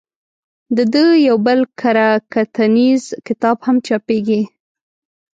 د ده یو بل کره کتنیز کتاب هم چاپېږي.